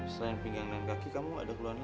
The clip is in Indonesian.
selain pinggang dan kaki kamu ada keluhan lagi